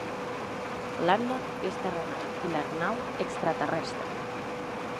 L'Anna és terrenal i l'Arnau extraterrestre.